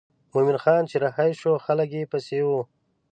مومن خان چې رهي شو خلک یې پسې وو.